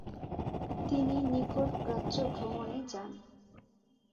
তিনি নিকট প্রাচ্য ভ্রমণে যান।